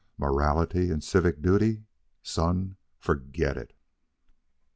Morality and civic duty! Son, forget it."